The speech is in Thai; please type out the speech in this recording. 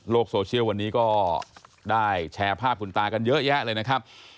โซเชียลวันนี้ก็ได้แชร์ภาพคุณตากันเยอะแยะเลยนะครับ